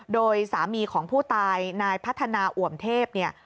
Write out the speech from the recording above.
โดยสามีของผู้ตายนายพัฒนาอ่วมเทพเนี่ย